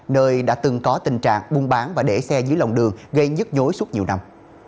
nơi đã từng có tình trạng buôn bán và để xe dưới lòng đường gây nhức nhối suốt nhiều năm